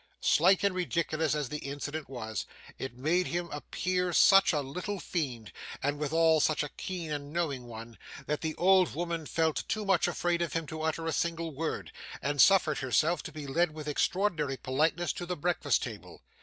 Slight and ridiculous as the incident was, it made him appear such a little fiend, and withal such a keen and knowing one, that the old woman felt too much afraid of him to utter a single word, and suffered herself to be led with extraordinary politeness to the breakfast table.